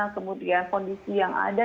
kemudian kondisi yang ada